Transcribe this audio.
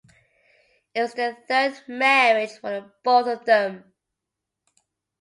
It was the third marriage for both of them.